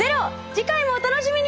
次回もお楽しみに！